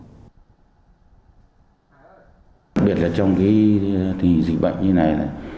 đặc biệt là trong cái dịch bệnh như này